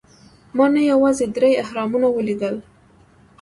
ما نه یوازې درې اهرامونه ولیدل.